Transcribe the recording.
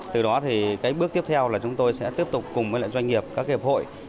từ đó thì cái bước tiếp theo là chúng tôi sẽ tiếp tục cùng với lại doanh nghiệp các hiệp hội